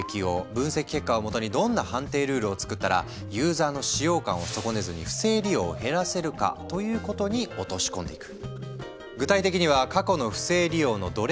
分析結果をもとにどんな判定ルールを作ったらユーザーの使用感を損ねずに不正利用を減らせるかということに落とし込んでいく。